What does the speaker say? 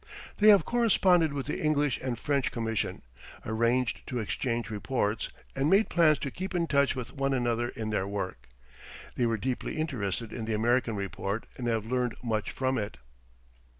They have corresponded with the English and French Commission, arranged to exchange reports, and made plans to keep in touch with one another in their work. They were deeply interested in the American report and have learned much from it.